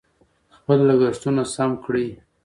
خپل لګښتونه سم کړئ.